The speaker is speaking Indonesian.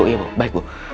iya bu baik bu